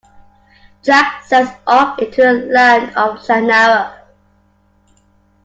Jak sets off into the Land of Shannara.